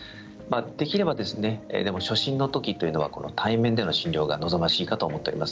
できれば初診のときというのは対面での診療が望ましいかと思っています。